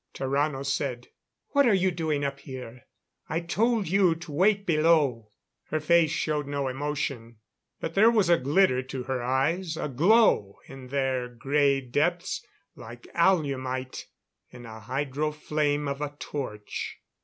Tarrano said: "What are you doing up here? I told you to wait below." Her face showed no emotion. But there was a glitter to her eyes, a glow in their grey depths like alumite in the hydro flame of a torch.